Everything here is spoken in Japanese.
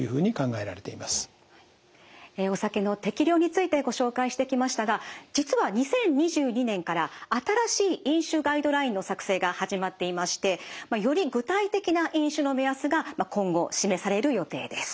えお酒の適量についてご紹介してきましたが実は２０２２年から新しい飲酒ガイドラインの作成が始まっていましてより具体的な飲酒の目安が今後示される予定です。